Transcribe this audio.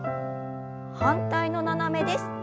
反対の斜めです。